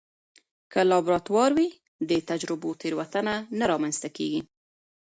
که لابراتوار وي، د تجربو تېروتنه نه رامنځته کېږي.